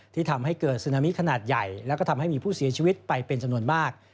ทำให้เกิดซึนามิขนาดใหญ่แล้วก็ทำให้มีผู้เสียชีวิตไปเป็นจำนวนมาก